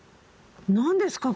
何ですか？